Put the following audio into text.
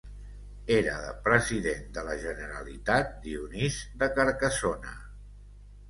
Era President de la Generalitat Dionís de Carcassona.